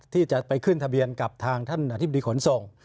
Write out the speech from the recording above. ที่จะไปขึ้นทะเบียนกับทางท่านอธิบดีขนส่ง